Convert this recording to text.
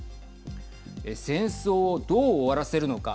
戦争をどう終わらせるのか。